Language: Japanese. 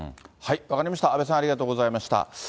分かりました、阿部さん、ありがとうございました。